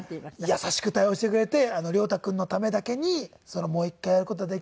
優しく対応してくれて「亮太君のためだけにもう一回やる事はできないんだよ」